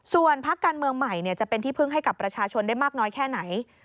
ส่วนพักการเมืองใหม่จะเป็นที่พึ่งให้กับประชาชนได้มากน้อยแค่ไหน